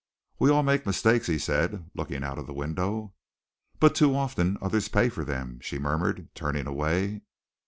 "We all make mistakes," he said, looking out of the window. "But too often others pay for them!" she murmured, turning away.